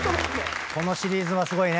このシリーズはすごいね。